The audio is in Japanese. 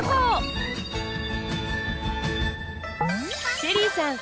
ＳＨＥＬＬＹさん